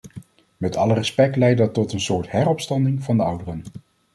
Met alle respect leidt dat tot een soort heropstanding van de ouderen.